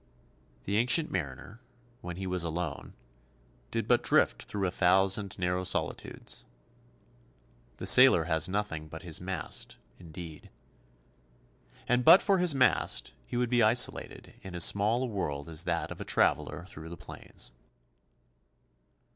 The Ancient Mariner, when he was alone, did but drift through a thousand narrow solitudes. The sailor has nothing but his mast, indeed. And but for his mast he would be isolated in as small a world as that of a traveller through the plains.